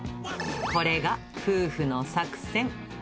これが夫婦の作戦。